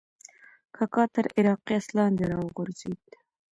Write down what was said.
کاکا تر عراقي آس لاندې راوغورځېد.